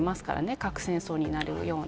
核戦争になるような。